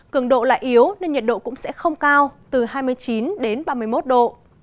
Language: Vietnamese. cường độ lại yếu nên nhiệt độ cũng sẽ không cao từ hai mươi chín đến ba mươi một độ